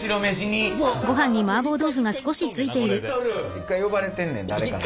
一回呼ばれてんねん誰かに。